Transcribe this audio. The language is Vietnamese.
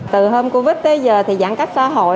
từ hôm covid tới giờ thì giãn cách xã hội